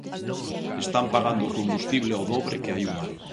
Están pagando o combustible ao dobre que hai un ano.